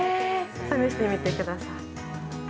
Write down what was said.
試してみてください。